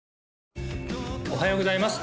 おはようございます